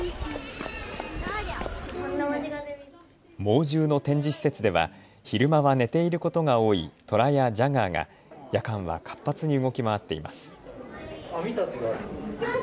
猛獣の展示施設では昼間は寝ていることが多いトラやジャガーが夜間は活発に動き回っています。